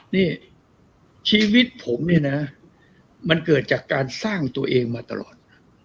นี่ชีวิตผมเนี่ยนะมันเกิดจากการสร้างตัวเองมาตลอด